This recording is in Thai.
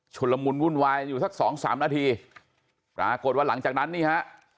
ละมุนวุ่นวายอยู่สักสองสามนาทีปรากฏว่าหลังจากนั้นนี่ฮะ